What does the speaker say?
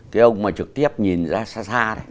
cái ông mà trực tiếp nhìn ra xa xa